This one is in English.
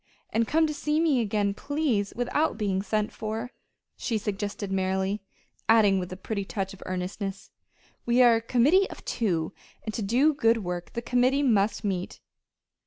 And come to see me again, please without being sent for," she suggested merrily, adding with a pretty touch of earnestness: "We are a committee of two; and to do good work the committee must meet!"